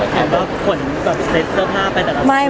แคมเปล่าขนเซ็ทเสื้อผ้าไปดเล่าไหม